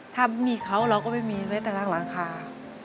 ถ้ามีเขาเราก็ไม่มีอะไรต่างค่ะ